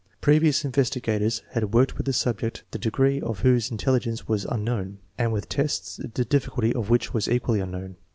Previous investigators had worked with subjects the degree of whose intelligence was unknown, and with tests tint difficulty of which was equally unknown.